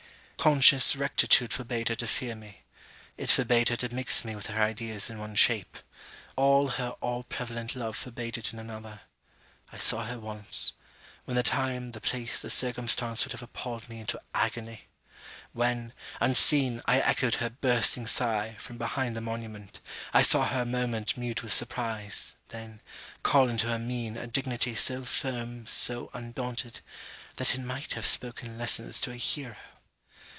Conscious rectitude forbade her to fear me, it forbade her to mix me with her ideas in one shape all her all prevalent love forbade it in another. I saw her once when the time, the place, the circumstance would have appalled me into agony! When, unseen, I echoed her bursting sigh, from behind the monument, I saw her a moment mute with surprise, then, call into her mien a dignity so firm so undaunted, that it might have spoken lessons to a hero.